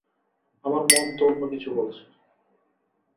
আমার মন তো অন্যকিছু বলছে।